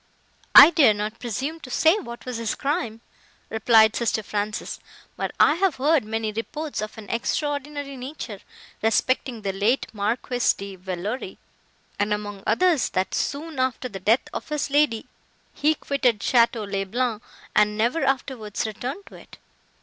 "I dare not presume to say what was his crime," replied sister Frances; "but I have heard many reports of an extraordinary nature, respecting the late Marquis de Villeroi, and among others, that, soon after the death of his lady, he quitted Château le Blanc, and never afterwards returned to it.